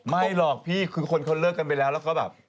ไม่หรอกพี่คือคนเขาเลิกกันไปแล้วแล้วก็แบบ